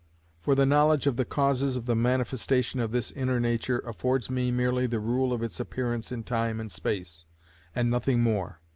For the knowledge of the causes of the manifestation of this inner nature affords me merely the rule of its appearance in time and space, and nothing more.